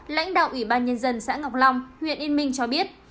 lãnh đạo ủy ban nhân dân xã ngọc long huyện yên minh cho biết